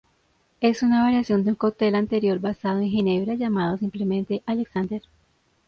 Es una variación de un cóctel anterior basado en ginebra llamado simplemente Alexander.